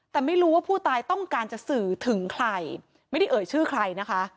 แต่ไม่รู้ว่าผู้ตายต้องการจะสื่อถึงใครไม่ได้เอ่ยชื่อใครนะคะ